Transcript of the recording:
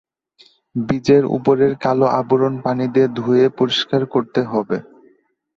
বীজের উপরের কালো আবরণ পানি দিয়ে ধুয়ে পরিষ্কার করতে হবে।